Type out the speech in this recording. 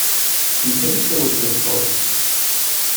Yekres tawenza-s Tom.